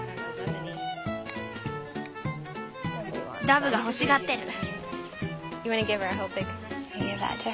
ダブが欲しがってる。